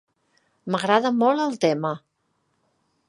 M'agrada molt el tema.